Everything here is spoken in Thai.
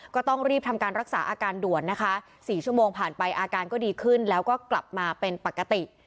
ก็ต้องรีบทำการรักษาอาการด่วนนะคะ๔ชั่วโมงผ่านไปอาการก็ดีขึ้นแล้วก็กลับมาเป็นปกติ